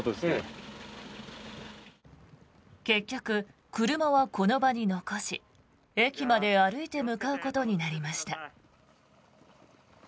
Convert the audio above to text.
結局、車はこの場に残し駅まで歩いて向かうことになりました。